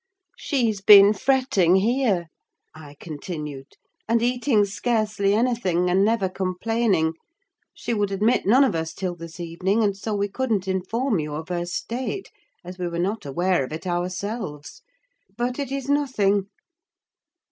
"She's been fretting here," I continued, "and eating scarcely anything, and never complaining: she would admit none of us till this evening, and so we couldn't inform you of her state, as we were not aware of it ourselves; but it is nothing."